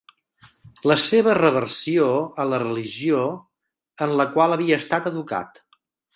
La seva reversió a la religió en la qual havia estat educat.